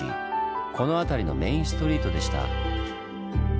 この辺りのメインストリートでした。